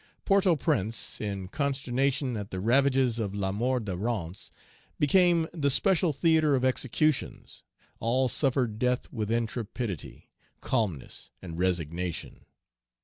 Port au Prince, in consternation at the ravages of Lamour de Rance, Page 248 became the special theatre of executions. All suffered death with intrepidity, calmness, and resignation.